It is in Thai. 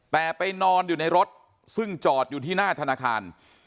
แต่ไปนอนอยู่ในรถซึ่งจอดอยู่ที่หน้าธนาคาร